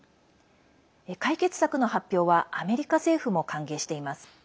解決策の発表はアメリカ政府も歓迎しています。